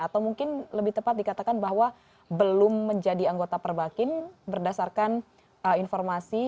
atau mungkin lebih tepat dikatakan bahwa belum menjadi anggota perbakin berdasarkan informasi